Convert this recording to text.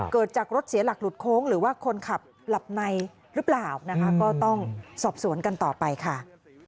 เกิดจากรถเสียหลักหลุดโค้งหรือว่าคนขับหลับในหรือเปล่านะคะก็ต้องสอบสวนกันต่อไปค่ะ